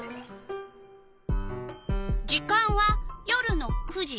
時間は夜の９時。